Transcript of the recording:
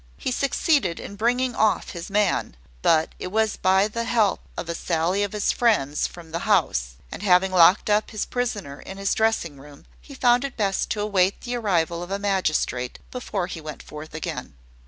He succeeded in bringing off his man; but it was by the help of a sally of his friends from the house; and having locked up his prisoner in his dressing room, he found it best to await the arrival of a magistrate before he went forth again.